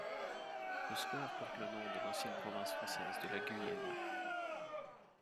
Le square porte le nom de l'ancienne province française de la Guyenne.